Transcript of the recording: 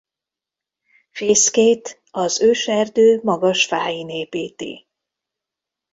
Fészkét az őserdő magas fáin építi.